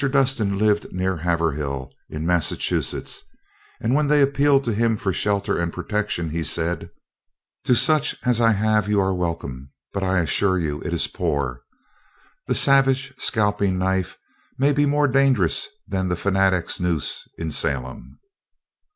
Dustin lived near Haverhill, in Massachusetts, and when they appealed to him for shelter and protection he said: "To such as I have you are welcome; but, I assure you, it is poor. The savage scalping knife may be more dangerous than the fanatic's noose in Salem."